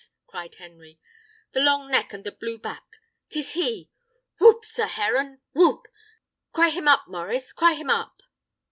cried Henry. "The long neck and the blue back! 'Tis he. Whoop! sir heron! whoop! Cry him up, Maurice! cry him up!"